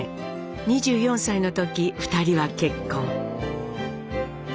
２４歳の時２人は結婚。